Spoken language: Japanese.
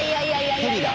「ヘリだ」